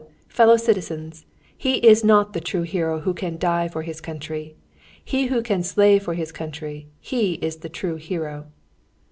fellow citizens; he is not the true hero who can die for his country; he who can slay for his country, he is the true hero!"